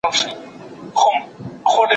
ايا ته زما په نکاح خوشحاله یې؟